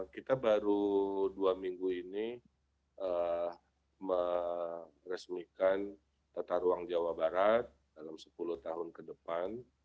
kita baru dua minggu ini meresmikan tata ruang jawa barat dalam sepuluh tahun ke depan